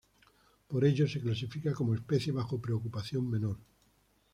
Por ello se clasifica como especie bajo preocupación menor.